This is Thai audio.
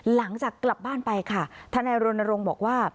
หลังจากกลับบ้านไปค่ะทนายรณรงค์บอกว่า